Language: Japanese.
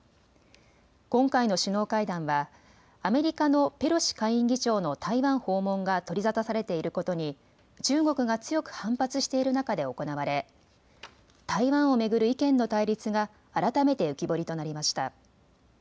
今回の首脳会談はアメリカのペロシ下院議長の台湾訪問が取り沙汰されていることに中国が強く反発している中で行われ台湾を巡る意見の対立が改めて浮き彫りとなりました。